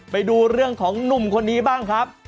ไปดูเรื่องของหนุ่มคนนี้บ้างครับ